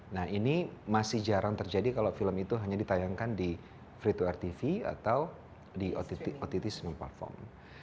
nah ini masih jarang terjadi kalau film itu hanya ditayangkan di free to air tv atau di ott stream platform